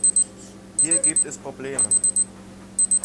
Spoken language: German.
Hier gibt es Probleme.